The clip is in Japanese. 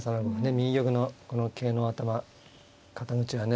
右玉のこの桂の頭肩口はね